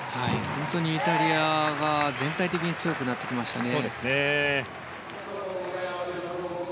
本当にイタリアが全体的に強くなってきましたね。